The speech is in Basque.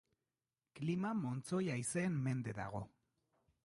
Klima montzoi haizeen mende dago.